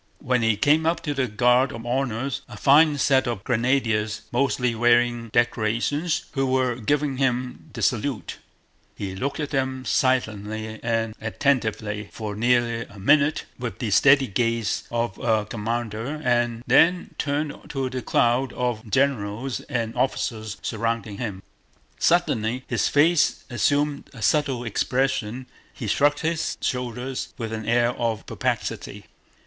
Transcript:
When he came up to the guard of honor, a fine set of Grenadiers mostly wearing decorations, who were giving him the salute, he looked at them silently and attentively for nearly a minute with the steady gaze of a commander and then turned to the crowd of generals and officers surrounding him. Suddenly his face assumed a subtle expression, he shrugged his shoulders with an air of perplexity.